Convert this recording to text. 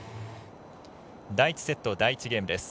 第１セット第１ゲームです。